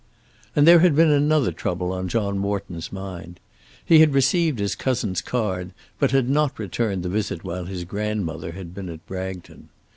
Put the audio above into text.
And there had been another trouble on John Morton's mind. He had received his cousin's card but had not returned the visit while his grandmother had been at Bragton.